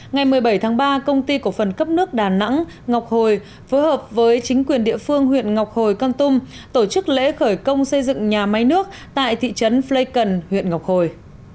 ngày một mươi bảy tháng ba công ty cổ phần cấp nước đà nẵng ngọc hồi phối hợp với chính quyền địa phương huyện ngọc hồi con tum tổ chức lễ khởi công xây dựng nhà máy nước tại thị trấn flecon huyện ngọc hồi